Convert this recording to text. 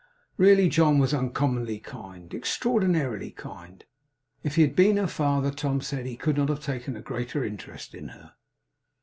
Really John was uncommonly kind; extraordinarily kind. If he had been her father, Tom said, he could not have taken a greater interest in her.